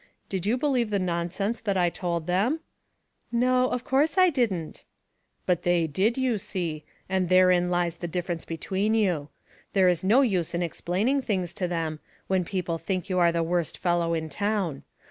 Did you believe the nonsense that I told them ?"" No, of course I didn't." " But they did, you see ; and therein lies the difference between you. There is no use in ex plaining things to them, when people think you are the worst fellow in town.